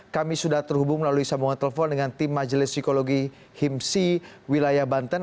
kami sudah terhubung melalui sambungan telepon dengan tim majelis psikologi himsi wilayah banten